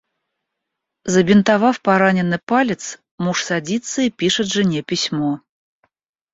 Забинтовав пораненный палец, муж садится и пишет жене письмо.